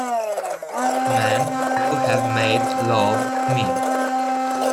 Men Who Have Made Love to Me